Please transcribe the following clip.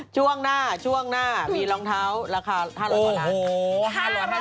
ช่วงหน้ามีรองเท้าราคา